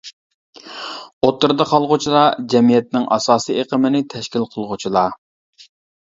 ئوتتۇرىدا قالغۇچىلار جەمئىيەتنىڭ ئاساسىي ئېقىمىنى تەشكىل قىلغۇچىلار.